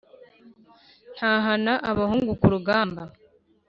ntahana abahungu ku rugamba,